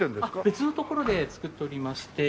別の所で作っておりまして。